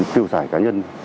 tiêu sải cá nhân